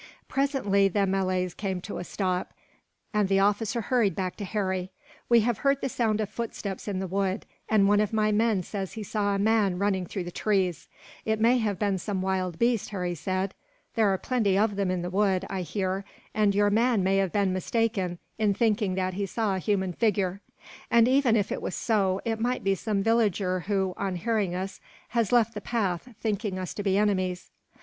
Presently the Malays came to a stop, and the officer hurried back to Harry. "We have heard the sound of footsteps in the wood, and one of my men says he saw a man running among the trees." "It may have been some wild beast," Harry said. "There are plenty of them in the wood, I hear, and your man may have been mistaken in thinking that he saw a human figure. And even if it was so, it might be some villager who, on hearing us, has left the path, thinking us to be enemies."